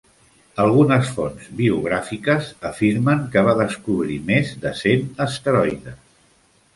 Algunes fonts biogràfiques afirmen que va descobrir més de cent asteroides.